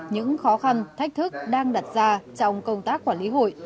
những khó khăn thách thức đang đặt ra trong công tác quản lý hội